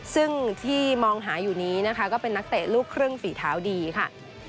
ซึ่งที่มองหาอยู่นี้นะคะก็เป็นนักเตะลูกครึ่งฝีเท้าดีค่ะ